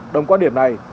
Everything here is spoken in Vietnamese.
đồng quan điểm này